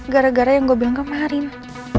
gara gara yang gue bilang kemarin ya pak